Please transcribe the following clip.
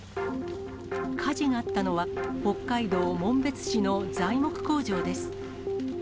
火事があったのは、北海道紋別市の材木工場です。